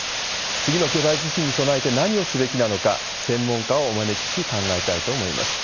次の巨大地震に備えて何をすべきなのか、専門家をお招きし、考えたいと思います。